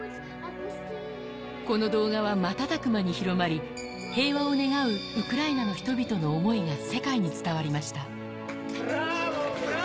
この動画は瞬く間に広まり、平和を願うウクライナの人々の思いが世界に伝わりました。